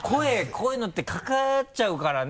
こういうのってかかっちゃうからね